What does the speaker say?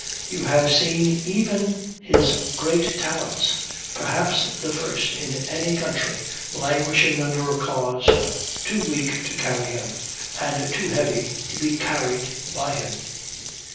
You have seen even his great talents, perhaps the first in any country, languishing under a cause too weak to carry him, and too heavy to be carried by him.